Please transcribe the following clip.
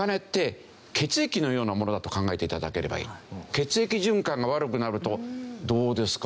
血液循環が悪くなるとどうですか？